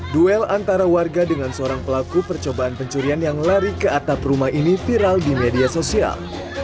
duel antara warga dengan seorang pelaku percobaan pencurian yang lari ke atap rumah ini viral di media sosial